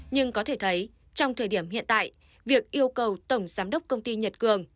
nhưng có thể thấy trong thời điểm hiện tại việc yêu cầu tổng giám đốc công ty nhật cường